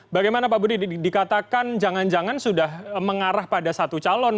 bagaimana pak budi dikatakan jangan jangan sudah mengarah pada satu calon